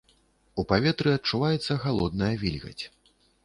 У паветры адчуваецца халодная вільгаць.